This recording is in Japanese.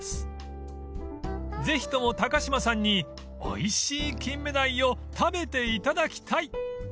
［ぜひとも高島さんにおいしいキンメダイを食べていただきたい］